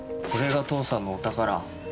これが父さんのお宝。